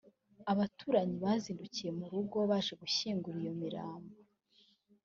abaturanyi bazindukiye mu rugo baje gushyingura iyo mirambo